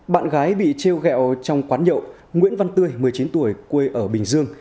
bạn gái bị treo gẹo trong quán nhậu nguyễn văn tươi một mươi chín tuổi quê ở bình dương